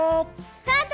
スタート！